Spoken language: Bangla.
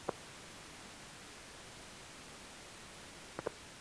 অবশ্যই সায়ংকালে তোমার আবাসে আসিয়া তাঁহার সহিত সাক্ষাৎ করিব।